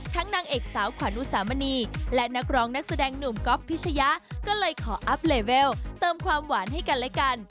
นางเอกสาวขวัญอุสามณีและนักร้องนักแสดงหนุ่มก๊อฟพิชยะก็เลยขออัพเลเวลเติมความหวานให้กันและกัน